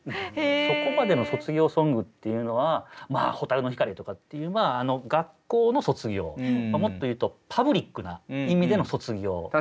そこまでの卒業ソングっていうのはまあ「蛍の光」とかっていう学校の卒業もっと言うとパブリックな意味での卒業。